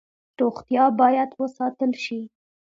روغتیا باید وساتل شي